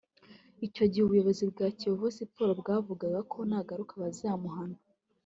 Icyo gihe ubuyobozi bwa Kiyovu Sport bwavugaga ko nagaruka bazamuhana